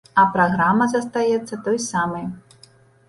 А праграма застаецца той самай.